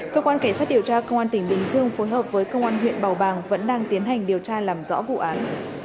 cơ quan cảnh sát điều tra công an tỉnh bình dương phối hợp với công an huyện bào bàng vẫn đang tiến hành điều tra làm rõ vụ án